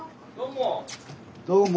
・どうも。